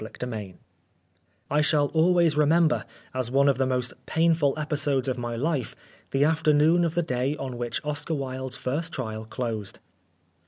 146 XIII I SHALL always remember, as one of the most painful episodes of my life, the afternoon of the day on which Oscar Wilde's first trial closed.